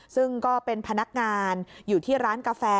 ซึ่งก็เป็นพนักงานอยู่ที่ร้านกาแฟ